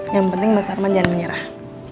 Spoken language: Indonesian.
yang penting mas arman jangan menyerah